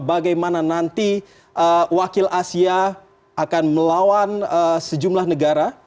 bagaimana nanti wakil asia akan melawan sejumlah negara